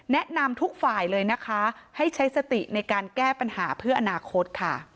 แนะนำทุกฝ่ายเลยนะคะให้ใช้สติในการแก้ปัญหาเพื่ออนาคตค่ะ